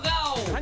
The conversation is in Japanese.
何？